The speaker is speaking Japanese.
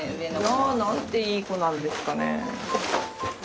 いや何ていい子なんですかね。